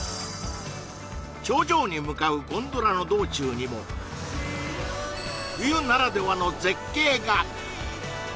頂上に向かうゴンドラの道中にも冬ならではの絶景が！